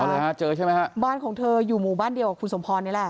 เลยฮะเจอใช่ไหมฮะบ้านของเธออยู่หมู่บ้านเดียวกับคุณสมพรนี่แหละ